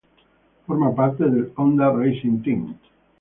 Forma parte del Honda Racing Team.